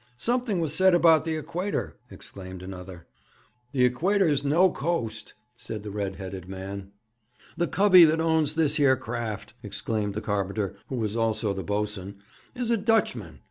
'Something was said about the Equator,' exclaimed another. 'The Equator's no coast,' said the red headed man. 'The covey that owns this here craft,' exclaimed the carpenter, who was also the boatswain, 'is a Dutchman.